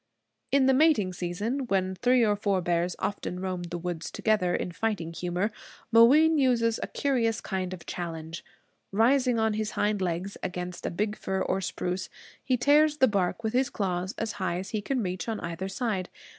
In the mating season, when three or four bears often roam the woods together in fighting humor, Mooween uses a curious kind of challenge. Rising on his hind legs against a big fir or spruce, he tears the bark with his claws as high as he can reach on either side.